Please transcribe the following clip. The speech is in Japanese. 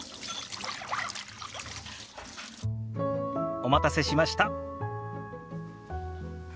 お待たせしました。